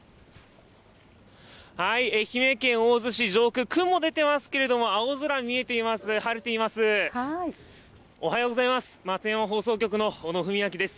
愛媛県大洲市上空、雲出てますけれども、青空見えています、晴れています。